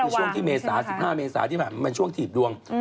ช่วงที่เมษา๑๕เมษาที่มันช่วงถีบดวง